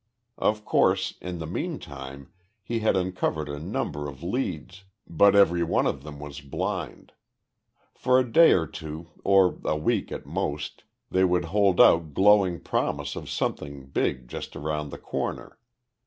Of course, in the meantime he had uncovered a number of leads but every one of them was blind. For a day or two, or a week at most, they would hold out glowing promise of something big just around the corner.